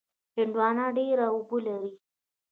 هندوانه ډېره اوبه لري.